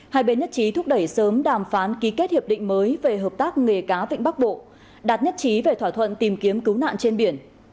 hai bên nhất trí thúc đẩy sớm đàm phán ký kết hiệp định mới về hợp tác nghề cá vịnh bắc bộ đạt nhất trí về thỏa thuận tìm kiếm cứu nạn trên biển